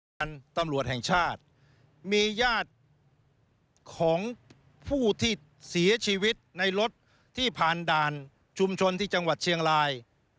การตำรวจแห่งชาติมีญาติของผู้ที่เสียชีวิตในรถที่ผ่านด่านชุมชนที่จังหวัดเชียงราย